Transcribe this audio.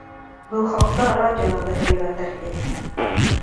? Был хаҡта радионан да һөйләгәндәр, ти.